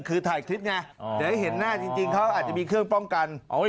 คือถ่ายคลิปไงเดี๋ยวให้เห็นหน้าจริงเขาอาจจะมีเครื่องป้องกัน